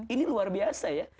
ini luar biasa ya